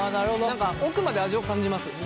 何か奥まで味を感じます。